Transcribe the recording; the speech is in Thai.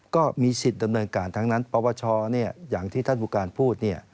ก็มีสิทธิ์ดำเนินการทั้งนั้นปปชอย่างที่ท่านผู้การพูด